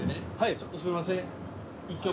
ちょっとすいません。